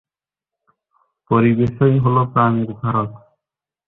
পরিবেশই হলো প্রাণের ধারক।